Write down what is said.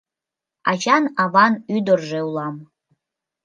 Ачан-аван ӱдыржӧ улам